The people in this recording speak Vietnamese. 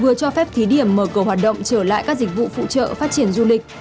vừa cho phép thí điểm mở cửa hoạt động trở lại các dịch vụ phụ trợ phát triển du lịch